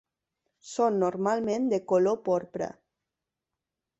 Són normalment de color porpra.